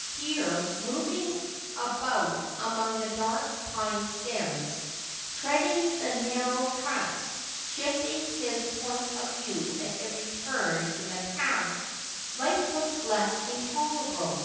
Here, moving about among the dark pine stems, treading the narrow tracks, shifting his point of view at every turn in the path, life was less intolerable.